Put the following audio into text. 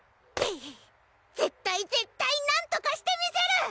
絶対絶対なんとかしてみせる！